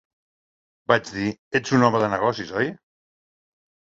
Vaig dir: "Ets un home de negocis, oi?".